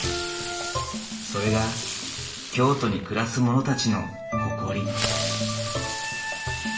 それが京都に暮らす者たちの誇り。